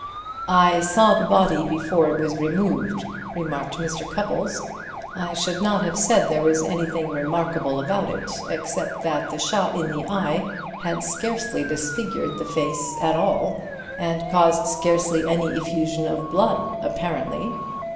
"I saw the body before it was removed," remarked Mr. Cupples. "I should not have said there was anything remarkable about it, except that the shot in the eye had scarcely disfigured the face at all, and caused scarcely any effusion of blood, apparently.